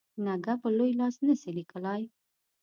نږه په لوی لاس نه سي لیکلای.